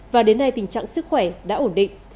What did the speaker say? và đến nay tình trạng sức khỏe đã ổn định